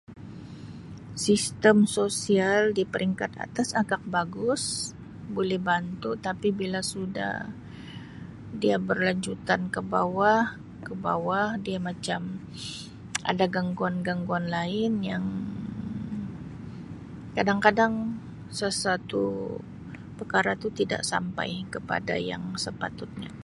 Sistem sosial di peringkat atas agak bagus boleh bantu. tapi bila dia berlanjutan ke bawah, ke bawah dia macam ada gangguan-gangguan lain yang kadang-kadang sesuatu perkara tu tidak sampai kepada yang sepatutnya.